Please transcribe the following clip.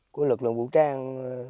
của lực lượng vũ trang